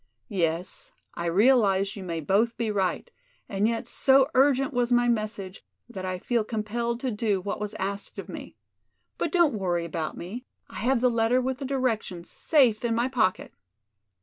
"Yes, I realize you may both be right, and yet so urgent was my message that I feel compelled to do what was asked of me. But don't worry about me, I have the letter with the directions safe in my pocket.